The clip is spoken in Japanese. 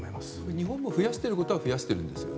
日本も増やしていることは増やしているんですか？